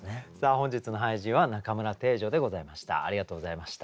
本日の俳人は中村汀女でございました。